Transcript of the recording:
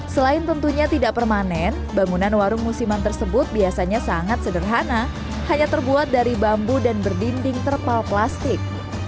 selain tentunya tidak permanen bangunan warung musiman tersebut biasanya sangat sederhana hanya terbuat dari bambu dan berdinding terpal plastik